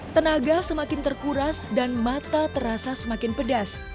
tenaga semakin terkuras dan mata terasa semakin pedas